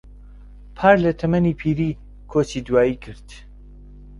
پار لە تەمەنی پیری کۆچی دوایی کرد.